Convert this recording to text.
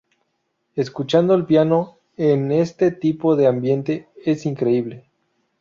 Escuchando el piano en este tipo de ambiente es increíble.